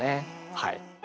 はい。